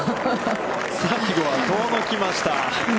最後は遠のきました。